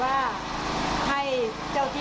ปวดหลังหนักไม่รู้อยากจะอะไรมาพับ